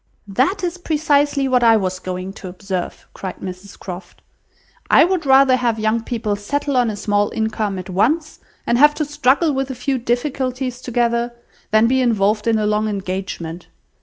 "That is precisely what I was going to observe," cried Mrs Croft. "I would rather have young people settle on a small income at once, and have to struggle with a few difficulties together, than be involved in a long engagement.